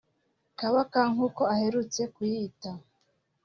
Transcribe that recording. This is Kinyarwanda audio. Kabaka (nk’uko aherutse kwiyita)